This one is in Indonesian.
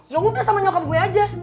yaudah sama nyokap gue aja